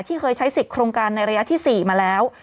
เคยใช้สิทธิ์โครงการในระยะที่๔มาแล้ว